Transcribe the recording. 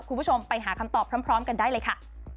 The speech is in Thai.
คุณผู้ชมไปหาคำตอบพร้อมกันได้เลยค่ะ